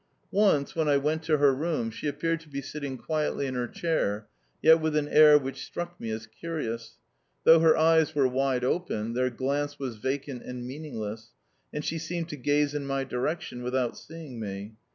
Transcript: Once, when I went to her room, she appeared to be sitting quietly in her chair, yet with an air which struck me as curious. Though her eyes were wide open, their glance was vacant and meaningless, and she seemed to gaze in my direction without seeing me.